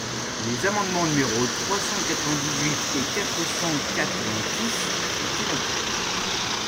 Les amendements numéros trois cent quatre-vingt-dix-huit et quatre cent quatre-vingt-dix sont identiques.